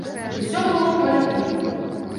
Усё было па любві.